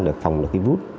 để phòng được cái vút